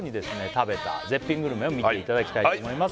食べた絶品グルメを見ていただきたいと思います